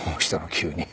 急に。